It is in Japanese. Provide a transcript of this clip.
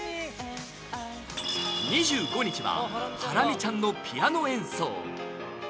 ２５日はハラミちゃんのピアノ演奏。